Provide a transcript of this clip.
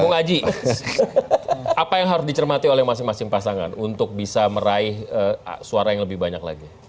bung aji apa yang harus dicermati oleh masing masing pasangan untuk bisa meraih suara yang lebih banyak lagi